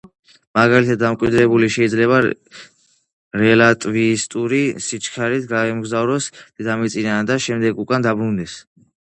მაგალითად, დამკვირვებელი შეიძლება რელატივისტური სიჩქარით გაემგზავროს დედამიწიდან და შემდეგ უკან დაბრუნდეს.